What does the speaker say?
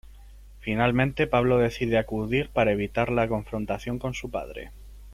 Finalmente, Pablo decide acudir para evitar la confrontación con su padre.